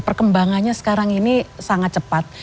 perkembangannya sekarang ini sangat cepat